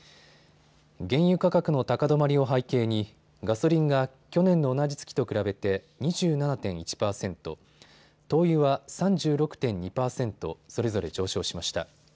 原油価格の高止まりを背景にガソリンが去年の同じ月と比べて２７．１％、灯油は３６．２％、それぞれ上昇しました。